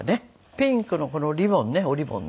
ピンクのこのリボンねおリボンね。